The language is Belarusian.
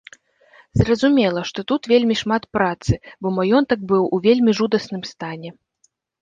Зразумела, што тут вельмі шмат працы, бо маёнтак быў у вельмі жудасным стане.